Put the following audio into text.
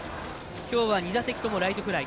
今日は２打席ともライトフライ。